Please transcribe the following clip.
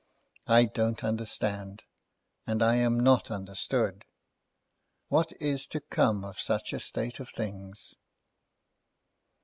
I don't understand, and I am not understood. What is to come of such a state of things!"